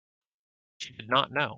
She did not know.